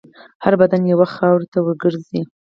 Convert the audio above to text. هر بدن یو وخت خاورو ته ورګرځي.